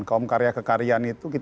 kaum karya kekaryaan itu kita bisa melihat